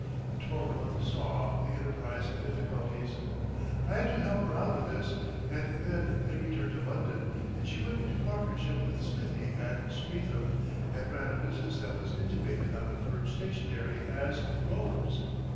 A twelvemonth saw the enterprise in difficulties. I had to help her out of this, and then they returned to London and she went into partnership with Smithie at Streatham, and ran a business that was intimated on the firm's stationery as "Robes."